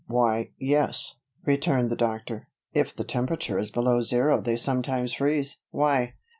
"Why, yes," returned the Doctor. "If the temperature is below zero they sometimes freeze. Why?"